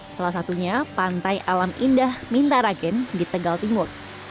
salah satunya pantai alam indah mintaragen di tegal timur